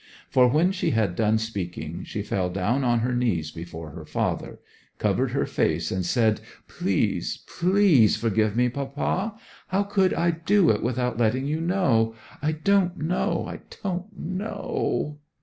For when she had done speaking she fell down on her knees before her father, covered her face, and said, 'Please, please forgive me, papa! How could I do it without letting you know! I don't know, I don't know!'